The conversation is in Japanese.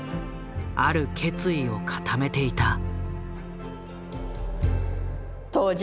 ある決意を固めていた。